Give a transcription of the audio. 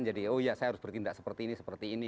jadi oh ya saya harus bertindak seperti ini seperti ini